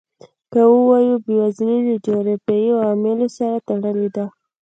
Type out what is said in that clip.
که ووایو بېوزلي له جغرافیوي عواملو سره تړلې ده.